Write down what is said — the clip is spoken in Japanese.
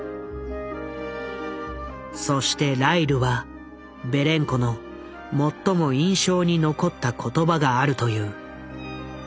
そしてライルはベレンコの最も印象に残った言葉があるという。